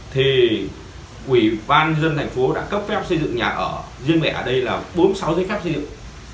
thì ủy ban dân thành phố đã cấp phép xây dựng nhà ở riêng mẹ ở đây là bốn mươi sáu giấy phép xây dựng